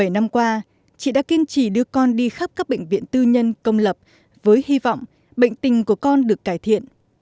bảy năm qua chị đã kiên trì đưa con đi khắp các bệnh viện tư nhân công lập với hy vọng bệnh tình của con được cải thiện